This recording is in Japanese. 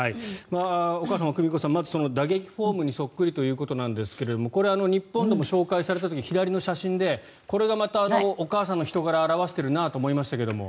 お母さんの久美子さんの打撃フォームにそっくりということですがこれ、日本でも紹介された時左の写真でこれがまたお母様のお人柄を表しているなと思いましたけれども。